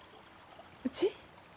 うち？